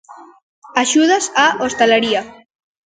Axudas á hostalaría.